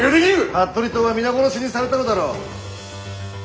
服部党は皆殺しにされたのだろう。